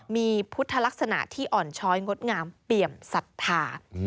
มีพุทธลักษณะที่อ่อนช้อยงดงามเปี่ยมศรัทธา